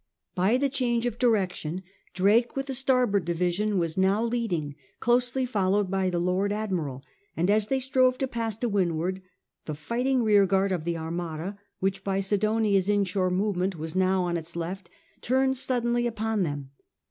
By the change of direction Drake, with the starboard division, was now leading, closely followed by the Lord Admiral, and as they strove to pass to windward, the fighting rearguard of the Armada, which by Sidonia's inshore movement was now on its left, turned suddenly upon them.